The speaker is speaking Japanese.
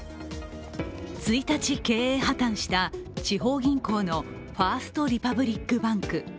１日、経営破綻した地方銀行のファースト・リパブリック・バンク。